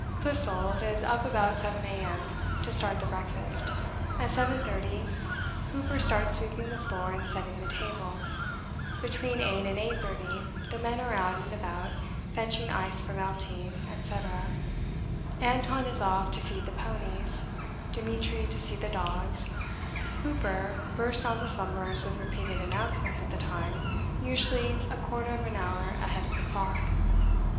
Clissold is up about 7 A.M. to start the breakfast. At 7.30 Hooper starts sweeping the floor and setting the table. Between 8 and 8.30 the men are out and about, fetching ice for melting, &c. Anton is off to feed the ponies, Demetri to see the dogs; Hooper bursts on the slumberers with repeated announcements of the time, usually a quarter of an hour ahead of the clock.